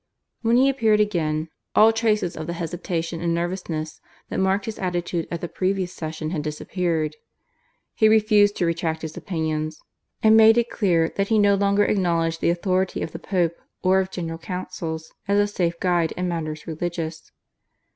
When he appeared again, all traces of the hesitation and nervousness that marked his attitude at the previous session had disappeared. He refused to retract his opinions, and made it clear that he no longer acknowledged the authority of the Pope or of General Councils as a safe guide in matters religious.